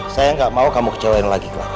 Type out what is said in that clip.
saya nggak mau kamu kecewain lagi